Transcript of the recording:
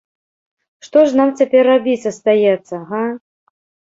Што ж нам цяпер рабіць астаецца, га?